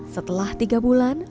setelah tiga bulan